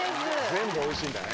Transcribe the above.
全部おいしいんだね。